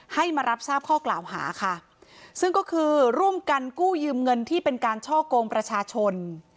ให้มารับทราบข้อกล่าวหาค่ะซึ่งก็คือร่วมกันกู้ยืมเงินที่เป็นการช่อกงประชาชน